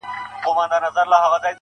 • ډيره ژړا لـــږ خـــنــــــــــدا.